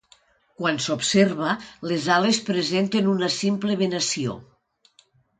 Quan s'observa, les ales presenten una simple venació.